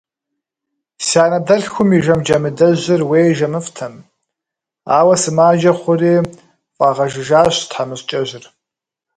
Си анэдэлъхум и жэм Джамыдэжьыр уей жэмыфӏтэм, ауэ сымаджэ хъури фӏагъэжыжащ тхьэмыщкӏэжьыр.